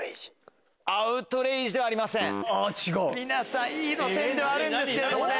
いい路線ではあるんですけどもね。